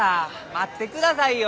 待ってくださいよ。